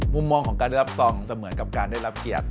มุมมองของการได้รับซองเสมือนกับการได้รับเกียรติ